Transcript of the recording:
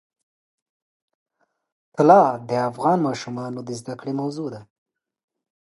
طلا د افغان ماشومانو د زده کړې موضوع ده.